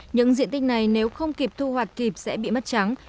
những diện tích này nếu không kịp thu hoạch kịp sẽ bị mất trắng